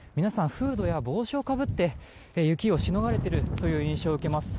フードや帽子をかぶって雪をしのがれているという印象を受けます。